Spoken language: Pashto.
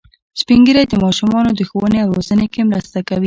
سپین ږیری د ماشومانو د ښوونې او روزنې کې مرسته کوي